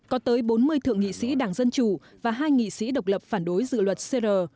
có tới bốn mươi thượng nghị sĩ đảng dân chủ và hai nghị sĩ độc lập phản đối dự luật cr